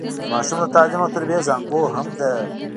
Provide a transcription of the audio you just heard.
د ماشوم د تعليم او تربيې زانګو هم ده.